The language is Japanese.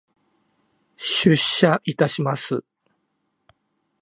出社いたします。